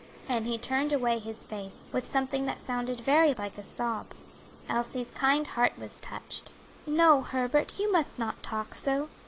And he turned away his face, with something that sounded very like a sob. Elsie's kind heart was touched. "No, Herbert, you must not talk so.